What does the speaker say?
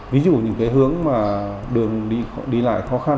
ví dụ những cái hướng mà đường đi lại khó khăn